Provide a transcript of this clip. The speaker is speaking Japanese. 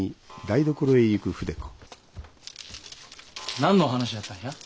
何の話やったんや？